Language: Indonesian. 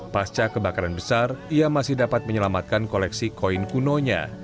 pasca kebakaran besar ia masih dapat menyelamatkan koleksi koin kunonya